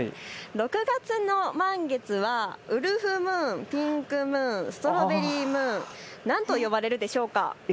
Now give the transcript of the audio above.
６月の満月はウルフムーン、ピンクムーン、ストロベリームーン、なんと呼ばれるでしょうか。